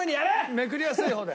めくりやすい方で。